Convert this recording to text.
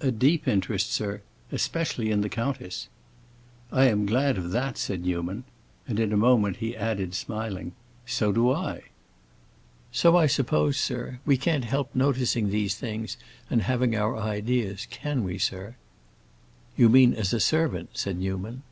"A deep interest, sir. Especially in the countess." "I am glad of that," said Newman. And in a moment he added, smiling, "So do I!" "So I suppose, sir. We can't help noticing these things and having our ideas; can we, sir?" "You mean as a servant?" said Newman.